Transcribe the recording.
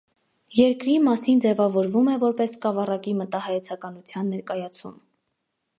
Երկիրի մասին ձևավորվում է որպես սկավառակի մտահայեցականություն ներկայացում։